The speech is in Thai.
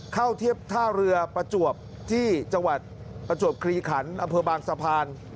เทียบท่าเรือประจวบที่จังหวัดประจวบคลีขันอำเภอบางสะพาน